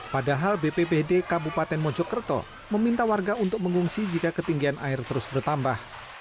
padahal bppd kabupaten mojokerto meminta warga untuk mengungsi jika ketinggian air terus bertambah